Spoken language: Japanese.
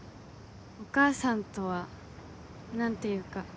お母さんとは何ていうか。